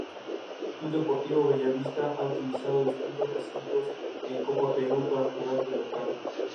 Club Deportivo Bellavista ha utilizado distintos recintos en Copa Perú para jugar de local.